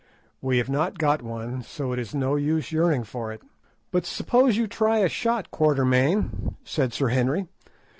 "We have not got one, so it is no use yearning for it; but suppose you try a shot, Quatermain," said Sir Henry.